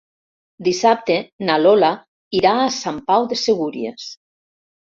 Dissabte na Lola irà a Sant Pau de Segúries.